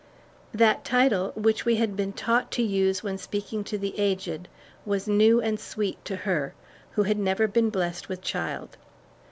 That title, which we had been taught to use when speaking to the aged, was new and sweet to her, who had never been blessed with child.